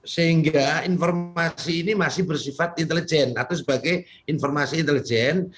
sehingga informasi ini masih bersifat intelijen atau sebagai informasi intelijen